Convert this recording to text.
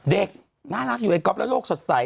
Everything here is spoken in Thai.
เด็กน่ารักอยู่ตั่งไตรก็โรคสดใส